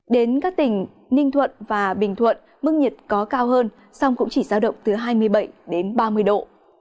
đến các tỉnh ninh thuận và bình thuận mức nhiệt có cao hơn song cũng chỉ giao động từ hai mươi bảy đến ba mươi độ